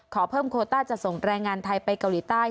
ขอเพิ่มโคต้าจะส่งแรงงานไทยไปเกาหลีใต้